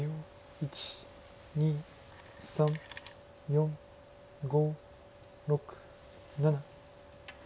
１２３４５６７。